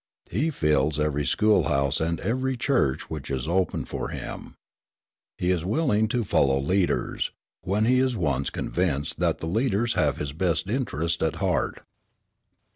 He fills every school house and every church which is opened for him. He is willing to follow leaders, when he is once convinced that the leaders have his best interest at heart.